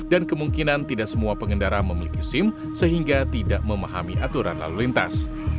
dan kemungkinan tidak semua pengendara memiliki sim sehingga tidak memahami aturan lalu lintas